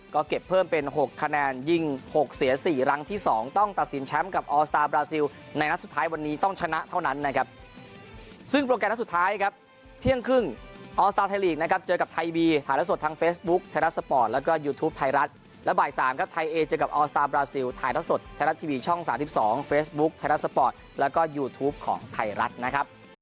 ก็เก็บเพิ่มเป็นหกคะแนนยิ่งหกเสียสี่รังที่สองต้องตัดสินแชมป์กับออร์สตาร์บราซิล